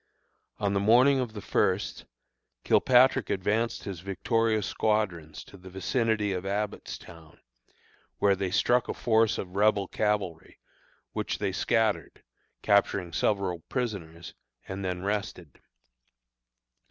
On the morning of the first, Kilpatrick advanced his victorious squadrons to the vicinity of Abbottstown, where they struck a force of Rebel cavalry, which they scattered, capturing several prisoners, and then rested.